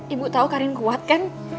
ibu tahu karin kuat kan